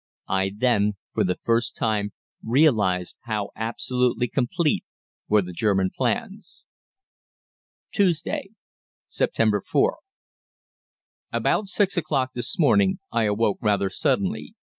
I then for the first time realised how absolutely complete were the German plans." "TUESDAY, September 4. "About six o'clock this morning I awoke rather suddenly.